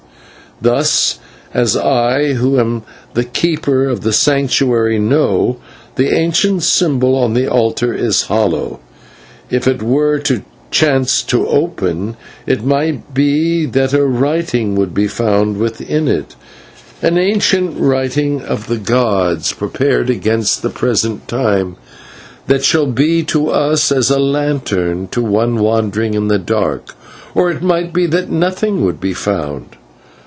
Thus, as I who am the keeper of the Sanctuary know, the ancient symbol on the altar is hollow, and if it were to chance to open, it might be that a writing would be found within it an ancient writing of the gods, prepared against the present time that shall be to us as a lantern to one wandering in the dark; or it might be that nothing would be found.